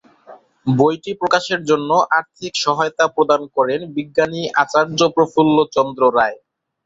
বইটি প্রকাশের জন্য আর্থিক সহায়তা প্রদান করেন বিজ্ঞানী আচার্য প্রফুল্ল চন্দ্র রায়।